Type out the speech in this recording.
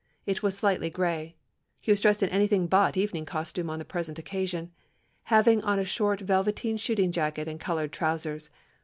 It was slightly gray. He was dressed in anything but evening costume on the present occasion, having on a short velveteen shooting jacket and coloured trousers.